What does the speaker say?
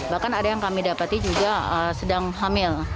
bahkan ada yang kami dapati juga sedang hamil